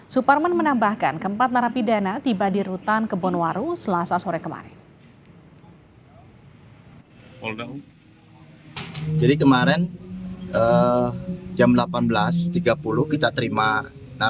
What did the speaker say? suparman menambahkan keempat narapidana tiba di rutan kebonwaru selasa sore kemarin